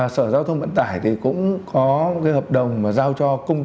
sở giao thông vận tải cũng có hợp đồng giao cho